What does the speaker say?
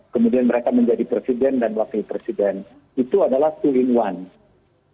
kemudian mereka menjadi presiden dan wakil presiden itu adalah tool in one